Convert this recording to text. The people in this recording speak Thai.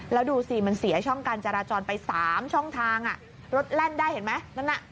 แล้วดูสิมันเสียช่องการจราจรไป๓ช่องทางรถแล่นได้เห็นไหมนั่นน่ะ